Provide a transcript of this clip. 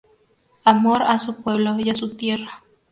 Amor a su pueblo y a su tierra.